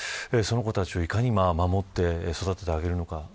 その子たちをいかに守って育ててあげるのか。